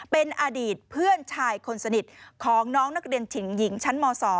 เป็นอดีตเพื่อนชายคนสนิทของน้องนักเรียนหญิงชั้นม๒